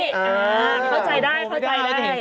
อ๋อเข้าใจได้